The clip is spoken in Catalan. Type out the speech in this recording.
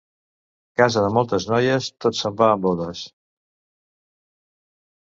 Casa de moltes noies, tot se'n va en bodes.